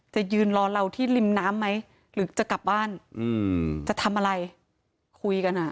จะยืนรอเราที่ริมน้ำไหมหรือจะกลับบ้านอืมจะทำอะไรคุยกันอ่ะ